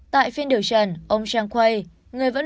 tại phiên điều trần ông chang kuei